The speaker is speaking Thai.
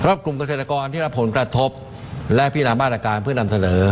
กลุ่มเกษตรกรที่รับผลกระทบและพินามาตรการเพื่อนำเสนอ